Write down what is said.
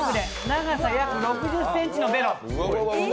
長さ約６０ｃｍのベロ。